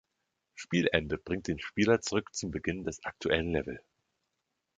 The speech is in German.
„Spielende“ bringt den Spieler zurück zum Beginn des aktuellen Level.